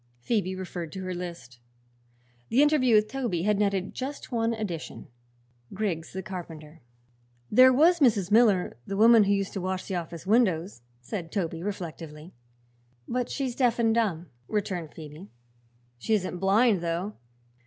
Phoebe referred to her list. The interview with Toby had netted just one addition Griggs the carpenter. "There was Mrs. Miller, the woman who used to wash the office windows," said Toby reflectively. "But she's deaf and dumb," returned Phoebe. "She isn't blind, though.